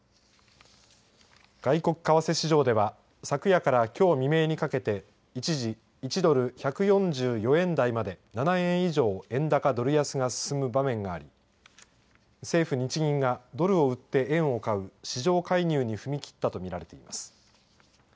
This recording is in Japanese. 外国為替市場では昨夜からきょう未明にかけて一時１ドル１４４円台まで７円以上円高ドル安が進む場面があり政府・日銀がドルを売って円を買う市場介入に踏み切ったとみられています。